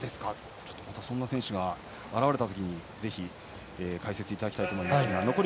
そんな選手がまた現れたときにぜひ解説いただきたいと思います。